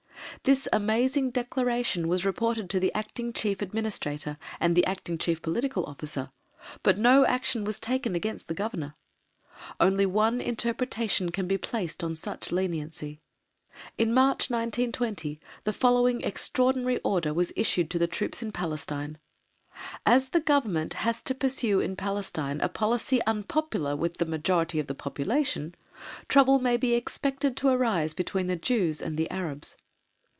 This amazing declaration was reported to the Acting Chief Administrator, and the Acting Chief Political Officer, but no action was taken against the Governor. Only one interpretation can be placed on such leniency. In March, 1920, the following extraordinary order was issued to the troops in Palestine: "As the Government has to pursue in Palestine a policy unpopular with the majority of the population, trouble may be expected to arise between the Jews and the Arabs."